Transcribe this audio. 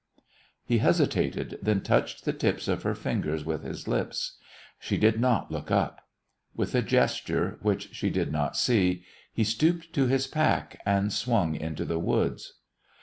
He hesitated, then touched the tips of her fingers with his lips. She did not look up. With a gesture, which she did not see, he stooped to his pack and swung into the woods.